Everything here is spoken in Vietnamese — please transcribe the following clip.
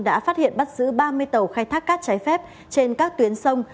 đã phát hiện bắt giữ ba mươi tàu khai thác cát trái phép trên các tuyến sông